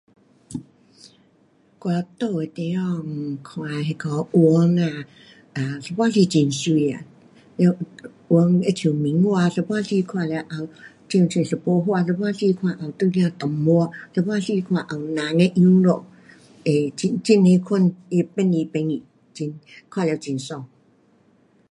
我住的地方，看那个云啊，啊一半时很美啊，完云好像棉花，一半时看了也有很像一朵花，一半时看了也有一点动物，一半时看也有人的样子，不，很，很多款变来变去，很，看了很爽。